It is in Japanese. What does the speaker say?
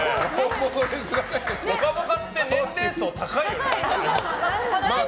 「ぽかぽか」って年齢層高いよね。